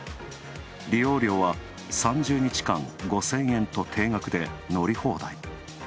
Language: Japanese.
利用料は３０日間５０００円と定額で乗り放題。